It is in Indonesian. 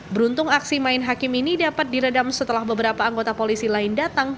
beruntung aksi main hakim ini dapat diredam setelah beberapa anggota polisi lain datang